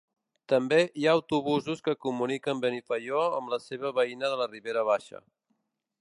També hi ha autobusos que comuniquen Benifaió amb la seua veïna de la Ribera Baixa.